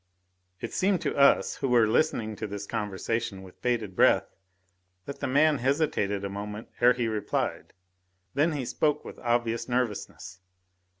It seemed to us, who were listening to this conversation with bated breath, that the man hesitated a moment ere he replied; then he spoke with obvious nervousness.